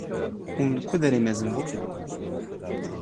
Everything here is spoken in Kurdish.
Hûn li ku derê mezin bûn?